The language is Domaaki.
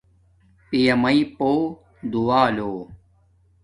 پیا میݵ پُو دعا لو